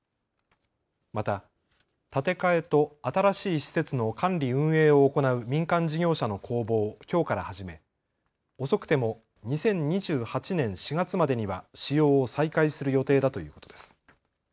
また、建て替えと新しい施設の管理運営を行う民間事業者の公募をきょうから始め、遅くても２０２８年４月までには使用を再開する予定だということです。